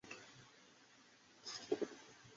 改任兴平军节度使。